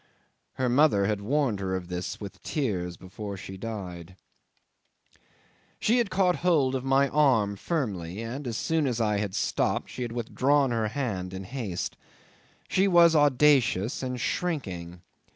Her mother had warned her of this with tears, before she died ... 'She had caught hold of my arm firmly, and as soon as I had stopped she had withdrawn her hand in haste. She was audacious and shrinking.